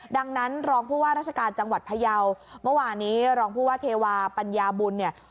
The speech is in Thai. ดังนั้นรองผู้ว่าราชการจังหวัดพยาวเมื่อวานี้รองผู้ว่าเทวาปัญญาบุญเนี่ย